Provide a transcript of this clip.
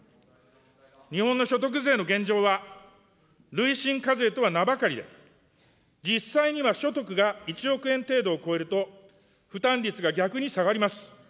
日本の所得税の現状は、累進課税とは名ばかりで、実際には所得が１億円程度を超えると、負担率が逆に下がります。